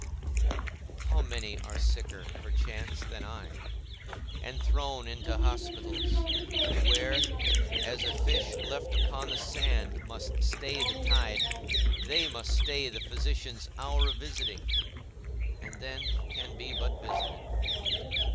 How many are sicker (perchance) than I, and thrown into hospitals, where (as a fish left upon the sand must stay the tide) they must stay the physician's hour of visiting, and then can be but visited!